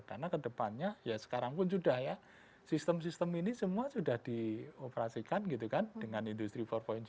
karena kedepannya ya sekarang pun sudah ya sistem sistem ini semua sudah dioperasikan gitu kan dengan industri empat